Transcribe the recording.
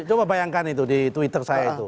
coba bayangkan itu di twitter saya itu